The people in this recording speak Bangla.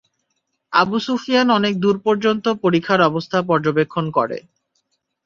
আবু সুফিয়ান অনেক দূর পর্যন্ত পরিখার অবস্থা পর্যবেক্ষণ করে।